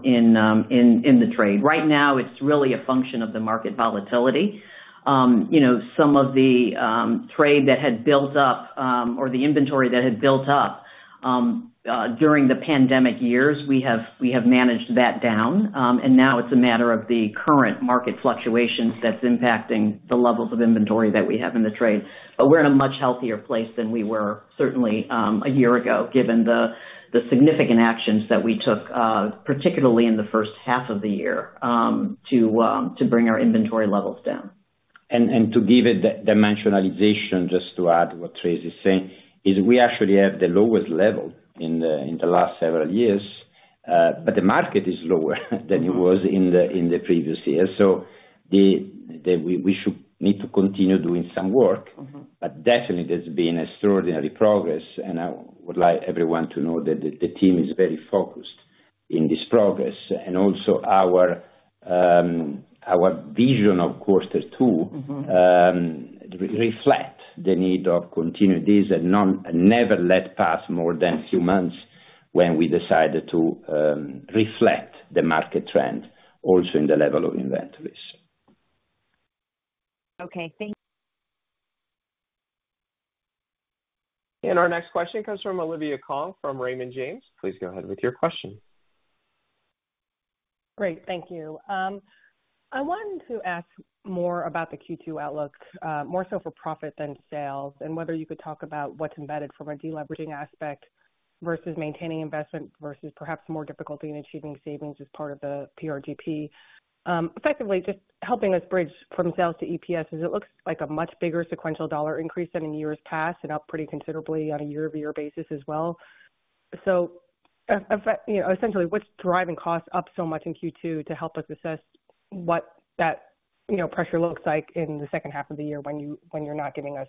in the trade. Right now, it's really a function of the market volatility. Some of the trade that had built up or the inventory that had built up during the pandemic years, we have managed that down. And now it's a matter of the current market fluctuations that's impacting the levels of inventory that we have in the trade. But we're in a much healthier place than we were certainly a year ago, given the significant actions that we took, particularly in the first half of the year, to bring our inventory levels down. To give it dimensionalization, just to add what Tracey is saying, is we actually have the lowest level in the last several years, but the market is lower than it was in the previous year. So we should need to continue doing some work. But definitely, there's been extraordinary progress. And I would like everyone to know that the team is very focused in this progress. And also our vision of quarter two reflects the need of continuing this and never let pass more than a few months when we decided to reflect the market trend also in the level of inventories. Okay. Thank you. Our next question comes from Olivia Tong from Raymond James. Please go ahead with your question. Great. Thank you. I wanted to ask more about the Q2 outlook, more so for profit than sales, and whether you could talk about what's embedded from a deleveraging aspect versus maintaining investment versus perhaps more difficulty in achieving savings as part of the PRGP. Effectively, just helping us bridge from sales to EPS, as it looks like a much bigger sequential dollar increase than in years past and up pretty considerably on a year-over-year basis as well, so essentially, what's driving costs up so much in Q2 to help us assess what that pressure looks like in the second half of the year when you're not giving us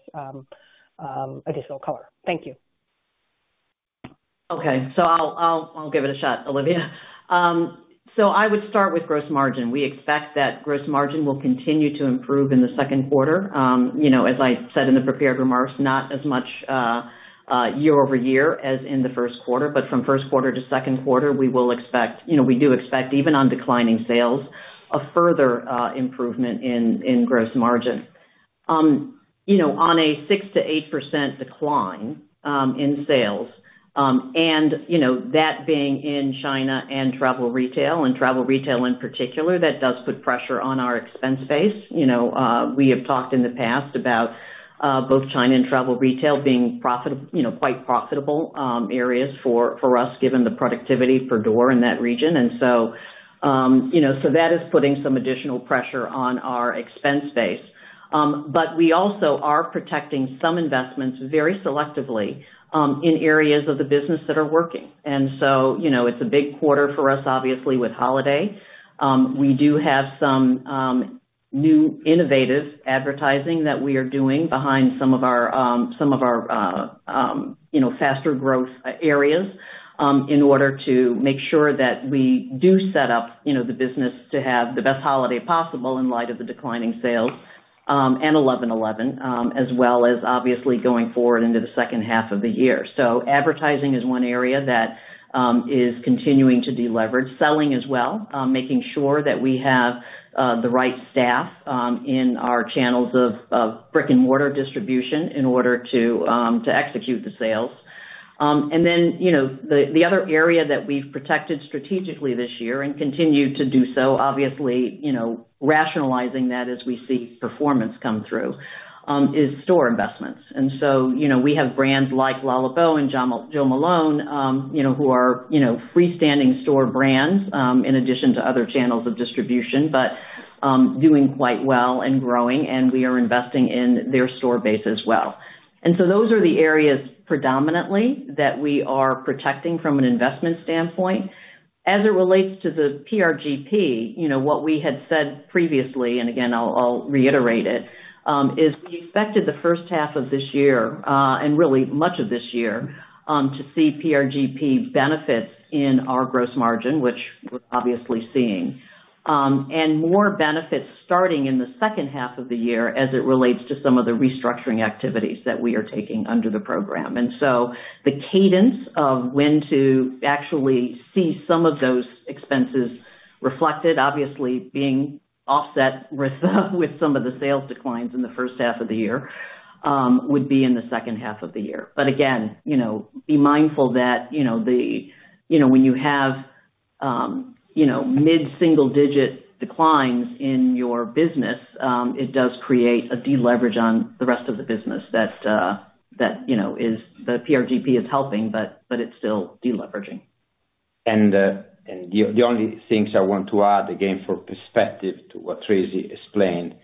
additional color? Thank you. Okay, so I'll give it a shot, Olivia, so I would start with gross margin. We expect that gross margin will continue to improve in the second quarter. As I said in the prepared remarks, not as much year-over-year as in the first quarter, but from first quarter to second quarter, we do expect, even on declining sales, a further improvement in gross margin. On a 6%-8% decline in sales, and that being in China and travel retail, and travel retail in particular, that does put pressure on our expense base. We have talked in the past about both China and travel retail being quite profitable areas for us, given the productivity per door in that region, and so that is putting some additional pressure on our expense base. But we also are protecting some investments very selectively in areas of the business that are working, and so it's a big quarter for us, obviously, with holiday. We do have some new innovative advertising that we are doing behind some of our faster growth areas in order to make sure that we do set up the business to have the best holiday possible in light of the declining sales and 11.11, as well as obviously going forward into the second half of the year. So advertising is one area that is continuing to deleverage. Selling as well, making sure that we have the right staff in our channels of brick-and-mortar distribution in order to execute the sales. And then the other area that we've protected strategically this year and continue to do so, obviously rationalizing that as we see performance come through, is store investments. And so we have brands like Le Labo and Jo Malone, who are freestanding store brands in addition to other channels of distribution, but doing quite well and growing. We are investing in their store base as well. Those are the areas predominantly that we are protecting from an investment standpoint. As it relates to the PRGP, what we had said previously, and again, I'll reiterate it, is we expected the first half of this year and really much of this year to see PRGP benefits in our gross margin, which we're obviously seeing, and more benefits starting in the second half of the year as it relates to some of the restructuring activities that we are taking under the program. The cadence of when to actually see some of those expenses reflected, obviously being offset with some of the sales declines in the first half of the year, would be in the second half of the year. But again, be mindful that when you have mid-single-digit declines in your business, it does create a deleverage on the rest of the business that the PRGP is helping, but it's still deleveraging. And the only things I want to add, again, for perspective to what Tracy explained,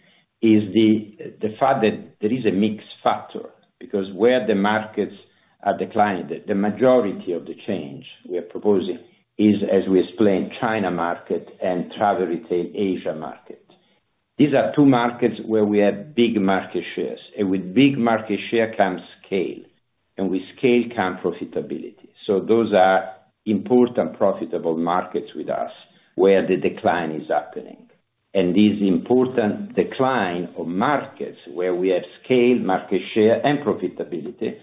is the fact that there is a mixed factor because where the markets are declining, the majority of the change we are proposing is, as we explained, China market and travel retail Asia market. These are two markets where we have big market shares. And with big market share comes scale, and with scale comes profitability. So those are important profitable markets with us where the decline is happening. And this important decline of markets where we have scale, market share, and profitability,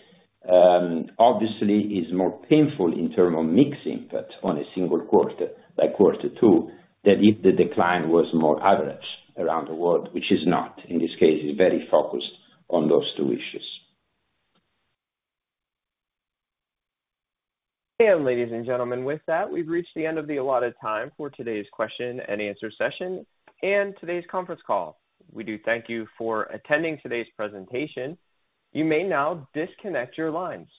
obviously is more painful in terms of mixing that on a single quarter, like quarter two, than if the decline was more average around the world, which is not. In this case, it's very focused on those two issues. And ladies and gentlemen, with that, we've reached the end of the allotted time for today's question and answer session and today's conference call. We do thank you for attending today's presentation. You may now disconnect your lines.